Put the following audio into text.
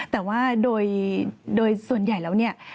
แต่ว่าโดยส่วนใหญ่แล้วเนี่ย